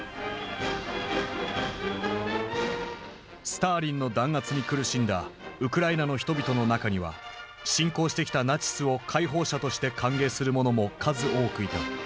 スターリンの弾圧に苦しんだウクライナの人々の中には侵攻してきたナチスを解放者として歓迎する者も数多くいた。